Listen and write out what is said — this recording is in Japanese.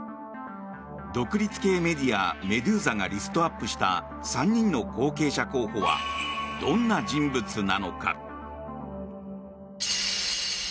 独立系メディア、メドゥーザがリストアップした３人の後継者候補はどんな人物なのか。